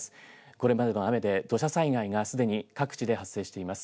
これまでの雨で、土砂災害がすでに各地で発生しています。